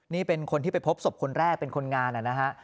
นี่เป็นคนที่ไปพบศพคนแรกเป็นคนงานนะฮะ